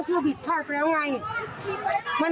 เอาปากจุบไปเลยเป็นทีมเลย